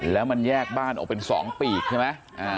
แล้วมันแยกบ้านออกเป็น๒ปีกใช่ไหม